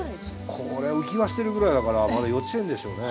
これ浮き輪してるぐらいだからまだ幼稚園でしょうね。